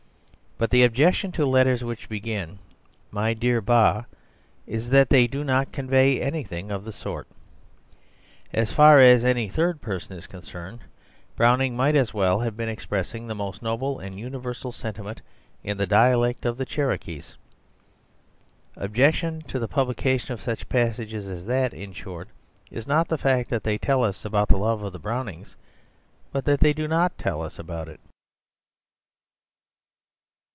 But the objection to letters which begin "My dear Ba," is that they do not convey anything of the sort. As far as any third person is concerned, Browning might as well have been expressing the most noble and universal sentiment in the dialect of the Cherokees. Objection to the publication of such passages as that, in short, is not the fact that they tell us about the love of the Brownings, but that they do not tell us about it.